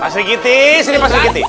pak sri giti sini pak sri giti